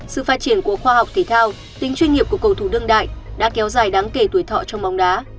sự phát triển của khoa học thể thao tính chuyên nghiệp của cầu thủ đương đại đã kéo dài đáng kể tuổi thọ trong bóng đá